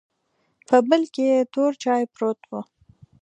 په بل کې تور چاې پروت و.